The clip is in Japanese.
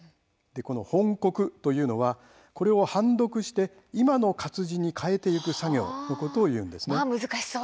この翻刻というのはこれを判読して、今の活字に変えていく作業のことを言うんです。